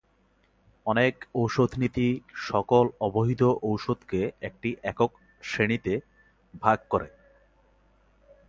অনেক ঔষধনীতি সকল অবৈধ ঔষধকে একটি একক শ্রেণীতে ভাগ করে।